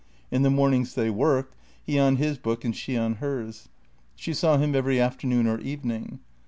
In the mornings they worked, he on his book and she on hers. She saw him every afternoon or evening.